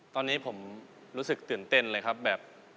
ตอนนี้ผมรู้สึกตื่นเต้นเลยครับแบบ